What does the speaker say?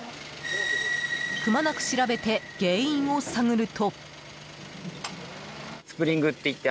くまなく調べて原因を探ると。